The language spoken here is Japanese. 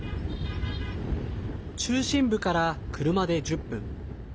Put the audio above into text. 中心部から車で１０分。